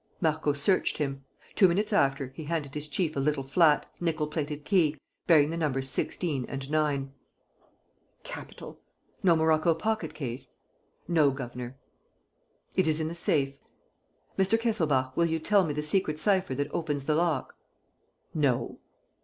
Marco searched him. Two minutes after, he handed his chief a little flat, nickel plated key, bearing the numbers 16 and 9. "Capital. No morocco pocket case?" "No, governor." "It is in the safe. Mr. Kesselbach, will you tell me the secret cypher that opens the lock?" "No."